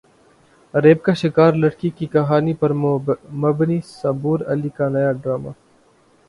rape کا شکار لڑکی کی کہانی پر مبنی صبور علی کا نیا ڈراما